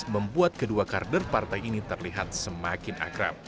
membuat kedua kader partai ini terlihat semakin akrab